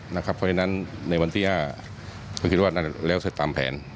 เพราะฉะนั้นในวันที่๕คุณคิดว่าแล้วตามแผน